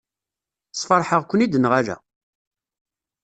Sfeṛḥeɣ-ken-id neɣ ala?